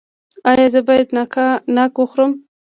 ایا زه باید ناک وخورم؟